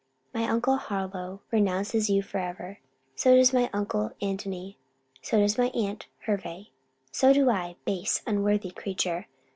My uncle Harlowe renounces you for ever. So does my uncle Antony. So does my aunt Hervey. So do I, base, unworthy creature!